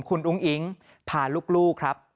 คุณอุ้งอิ๊งพาลูกครับ